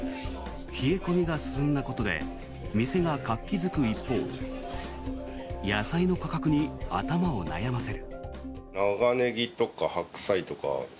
冷え込みが進んだことで店が活気付く一方野菜の価格に頭を悩ませる。